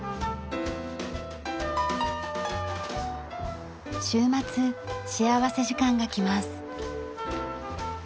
週末幸福時間がきます。